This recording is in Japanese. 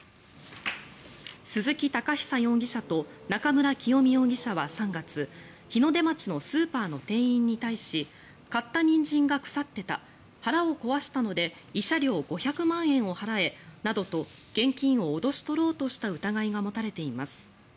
鈴木崇央容疑者と中村清美容疑者は３月日の出町のスーパーの店員に対し買ったニンジンが腐ってた腹を壊したので慰謝料５００万円を払えなどと現金を脅し取ろうとした疑いが持たれています。